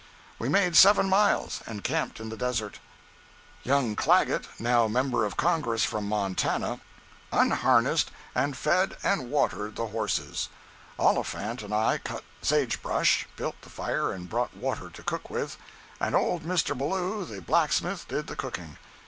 We made seven miles, and camped in the desert. Young Clagett (now member of Congress from Montana) unharnessed and fed and watered the horses; Oliphant and I cut sagebrush, built the fire and brought water to cook with; and old Mr. Ballou the blacksmith did the cooking.